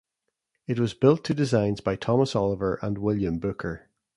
It was built to designs by Thomas Oliver and William Booker.